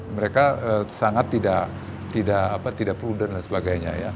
mereka sangat tidak prudent dan sebagainya ya